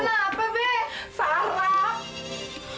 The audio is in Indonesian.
kenapa ben sarap